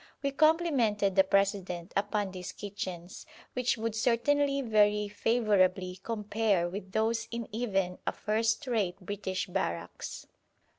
We complimented the President upon these kitchens, which would certainly very favourably compare with those in even a first rate British barracks.